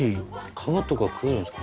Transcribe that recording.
皮とか食えるんですか？